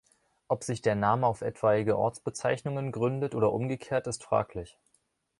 Ob sich der Name auf etwaige Ortsbezeichnungen gründet oder umgekehrt ist fraglich.